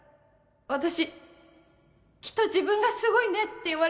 私きっと自分が「すごいね」って